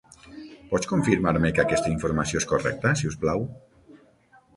Pots confirmar-me que aquesta informació és correcta, si us plau?